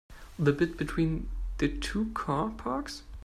The bit between the two car parks?